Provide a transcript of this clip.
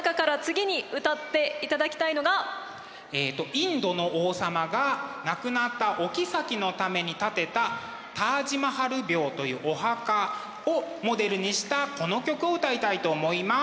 インドの王様が亡くなったおきさきのために建てたタージ・マハル廟というお墓をモデルにしたこの曲を歌いたいと思います。